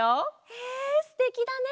へえすてきだね。